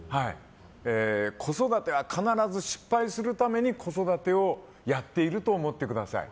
子育ては必ず失敗するために子育てをやっていると思ってください。